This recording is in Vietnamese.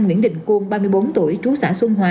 nguyễn định cuông ba mươi bốn tuổi trú xã xuân hòa